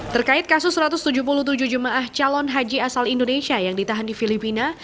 terkait kasus satu ratus tujuh puluh tujuh jemaah calon haji asal indonesia yang ditahan di filipina